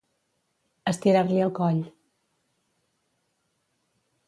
Estirar-li el coll.